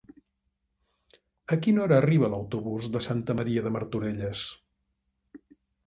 A quina hora arriba l'autobús de Santa Maria de Martorelles?